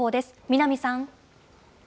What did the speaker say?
南さん。